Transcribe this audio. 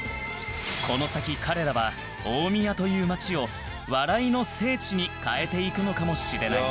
この先彼らは大宮という街を笑いの聖地に変えていくのかもしれない